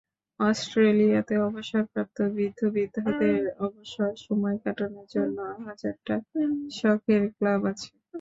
অস্ট্রেলিয়াতে অবসরপ্রাপ্ত বৃদ্ধ-বৃদ্ধাদের অবসর সময় কাটানোর জন্য হাজারটা শখের ক্লাব আছে।